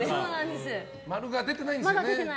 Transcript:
○が出てないんですよね。